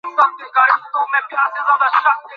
ওহ, তা আর বলতে।